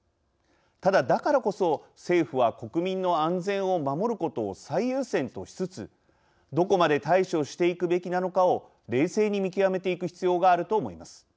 ただ、だからこそ政府は国民の安全を守ることを最優先としつつどこまで対処していくべきなのかを冷静に見極めていく必要があると思います。